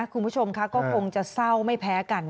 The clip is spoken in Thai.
คุณผู้ชมค่ะก็คงจะเศร้าไม่แพ้กัน